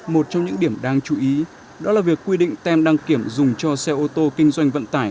một trong những điểm đáng chú ý đó là việc quy định tem đăng kiểm dùng cho xe ô tô kinh doanh vận tải